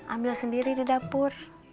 ambil sendiri di dapur